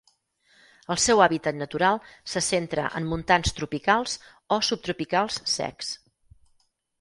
El seu hàbitat natural se centra en montans tropicals o subtropicals secs.